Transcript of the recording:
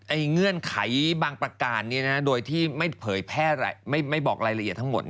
เงื่อนไขบางประการนี้นะโดยที่ไม่เผยแพร่ไม่บอกรายละเอียดทั้งหมด